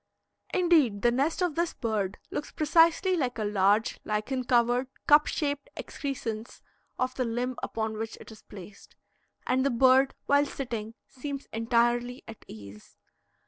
Indeed, the nest of this bird looks precisely like a large, lichen covered, cup shaped excrescence of the limb upon which it is placed. And the bird, while sitting, seems entirely at ease.